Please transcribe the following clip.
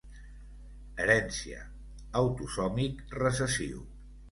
Herència: autosòmic recessiu.